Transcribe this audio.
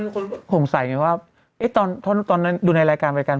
คนสงสัยไงว่าตอนนั้นดูในรายการไปกัน